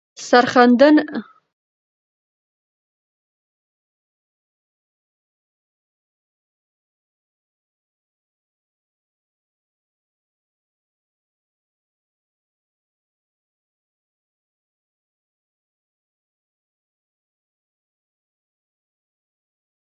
اجمل خټک وویل چې حالات ډېر اثر لري.